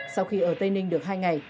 sau khi ở tây ninh được hai ngày